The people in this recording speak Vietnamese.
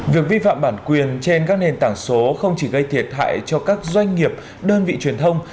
việc vi phạm bản quyền trên các nền tảng số không chỉ gây thiệt hại cho các doanh nghiệp đơn vị truyền thông